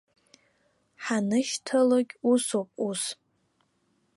Ҳанышьҭалогь усоуп, ус.